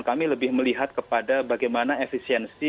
kami lebih melihat kepada bagaimana efisiensi